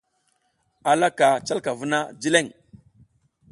A laka calka vuna jileƞ.